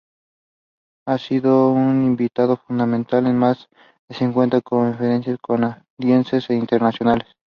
Ha sido un invitado fundamental en más de cincuenta conferencias canadienses e internacionales.